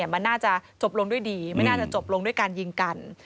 มันน่าจะจบลงด้วยดีไม่น่าจะจบลงด้วยการยิงกัน